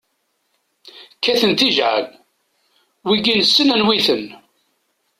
Kkaten tijɛal, wigi nessen anwi-ten.